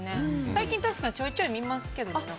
最近確かにちょいちょい見ますけどね。